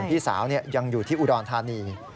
พี่สาวยังอยู่ที่อุดรธานี